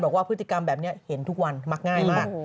บอกว่าพฤติกรรมแบบนี้เห็นทุกวันมักง่ายมาก